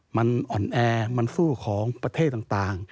มันอ่อนแอมันสู้ของประเทศต่าง